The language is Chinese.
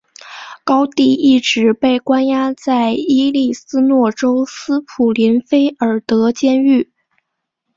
高蒂一直被关押在伊利诺斯州斯普林菲尔德监狱。